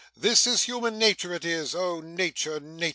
This is human natur, is it! Oh natur, natur!